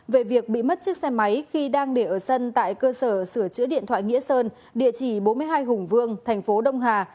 về việc bị mất chiếc xe máy khi đang để ở sân tại cơ sở sửa chữa điện thoại nghĩa sơn địa chỉ bốn mươi hai hùng vương thành phố đông hà